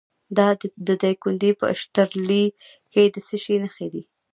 د دایکنډي په اشترلي کې د څه شي نښې دي؟